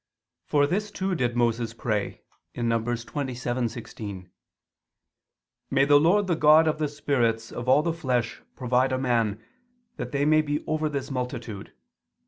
For this too did Moses pray (Num. 27:16): "May the Lord the God of the spirits of all the flesh provide a man, that may be over this multitude."